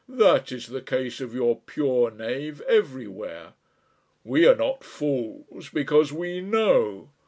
"That is the case of your pure knave everywhere. We are not fools because we know.